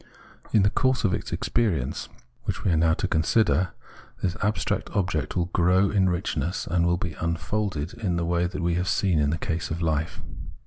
In the course of its experience, which we are now to consider, this abstract object will grow in richness, and will be unfolded in the way we have seen in the case of hfe.